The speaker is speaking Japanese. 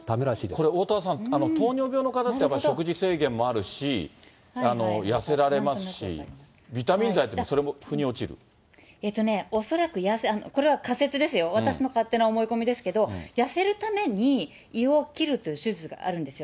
これ、おおたわさん、糖尿病の方って、やっぱり食事制限もあるし、痩せられますし、ビタミン剤ってのも、恐らく、これは仮説ですよ、私の勝手な思い込みですけど、痩せるために、胃を切るという手術があるんですよ。